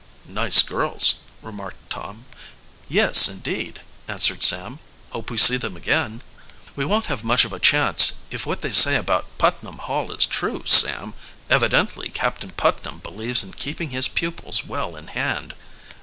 "Nice girls," remarked Tom. "Yes, indeed," answered Sam. "Hope we see them again." "We won't have much of a chance if what they say about Putnam Hall is true, Sam. Evidently Captain Putnam believes in keeping his pupils well in hand."